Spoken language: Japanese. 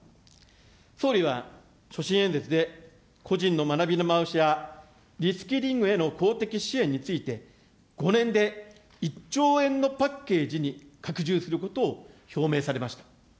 総理は所信演説で、個人の学び直しやリスキリングへの公的支援について、５年で１兆円のパッケージに拡充することを表明されました。